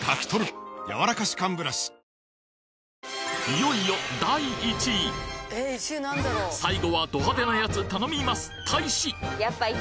いよいよ最後はド派手なやつ頼みます大使！